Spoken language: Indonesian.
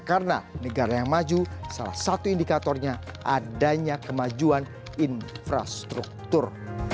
karena negara yang maju salah satu indikatornya adanya kemajuan infrastruktur